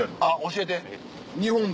教えて。